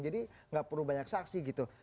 jadi gak perlu banyak saksi gitu